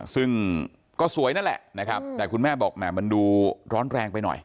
ซึ่งก็สวยนั่นแหละนะครับแต่คุณแม่บอกแหม่มันดูร้อนแรงไปหน่อย